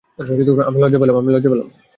আমি লজ্জা পেলাম।